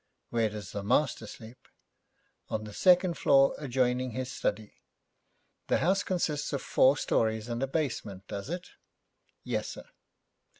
'Where does the master sleep?' 'On the second floor, adjoining his study.' 'The house consists of four stories and a basement, does it?' 'Yes, sir.'